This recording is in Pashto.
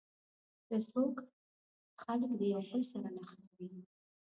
فېسبوک خلک د یوه بل سره نښلوي.